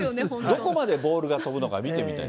どこまでボールが飛ぶのか見てみたい。